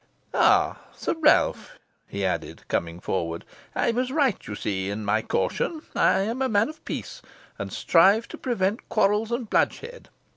Ah, Sir Ralph," he added, coming forward, "I was right, you see, in my caution. I am a man of peace, and strive to prevent quarrels and bloodshed.